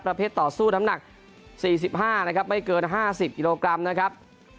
ประเภทสู้ตำหนักสี่สิบห้านะครับไม่เกินห้าสิบกิโลกรัมนะครับ